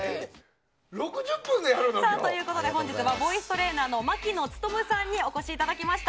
６０分でやるの？ということで本日はボイストレーナーの牧野努さんにお越しいただきました。